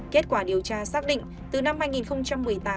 kết quả điều tra xác định